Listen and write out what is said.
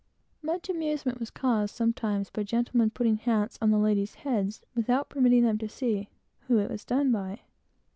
Much amusement was caused sometimes by gentlemen putting hats on the ladies' heads, without permitting them to see whom it was done by.